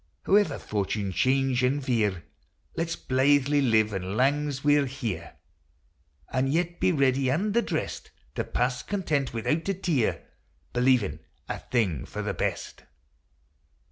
However Fortune change an' veer, Let 's blythely live as lang 's we 're here ; An' yet be ready and addrest To pass content, without a tear, Belie vin' a' thing for the best.